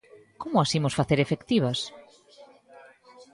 ¿Como as imos facer efectivas?